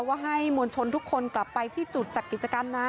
ว่าให้มวลชนทุกคนกลับไปที่จุดจัดกิจกรรมนะ